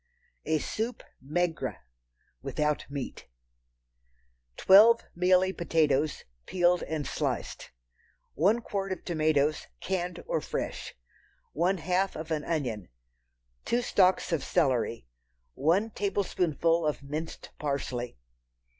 A Soup Maigre (without Meat). Twelve mealy potatoes, peeled and sliced. One quart of tomatoes—canned or fresh. One half of an onion. Two stalks of celery. One tablespoonful of minced parsley.